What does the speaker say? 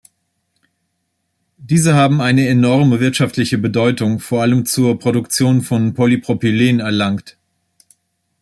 Diese haben eine enorme wirtschaftliche Bedeutung, vor allem zur Produktion von Polypropylen erlangt.